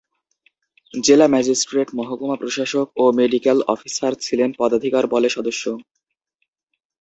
জেলা ম্যাজিস্ট্রেট, মহকুমা প্রশাসক ও মেডিক্যাল অফিসার ছিলেন পদাধিকার বলে সদস্য।